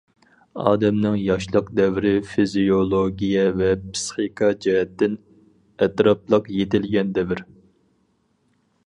ئادەمنىڭ ياشلىق دەۋرى فىزىيولوگىيە ۋە پىسخىكا جەھەتتىن ئەتراپلىق يېتىلگەن دەۋر.